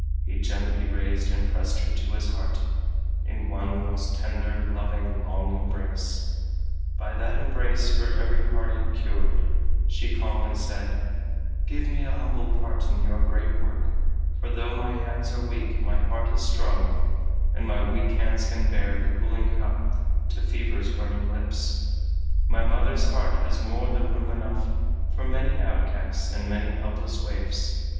He gently raised and pressed her to his heart In one most tender, loving, long embrace. By that embrace her every heartache cured, She calmly said: "Give me a humble part In your great work, for though my hands are weak My heart is strong, and my weak hands can bear The cooling cup to fever's burning lips; My mother's heart has more than room enough For many outcasts, many helpless waifs."